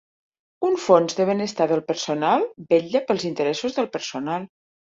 Un fons de benestar del personal vetlla pels interessos del personal.